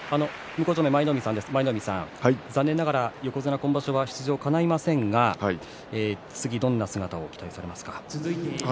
舞の海さん、残念ながら横綱今場所、出場かないませんが次はどんな姿を期待しますか？